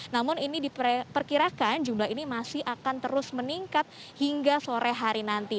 namun ini diperkirakan jumlah ini masih akan terus meningkat hingga sore hari nanti